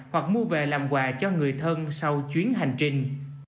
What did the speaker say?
hoặc mua về làm quà cho người thân sau chuyến hành trình